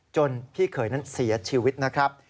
จนพี่เขยเสียชีวิตนะครับ